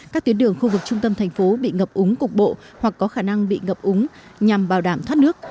các tuyến đường khu vực trung tâm thành phố bị ngập úng cục bộ hoặc có khả năng bị ngập úng nhằm bảo đảm thoát nước